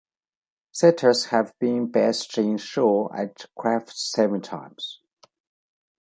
Setters have been best in show at Crufts seven times.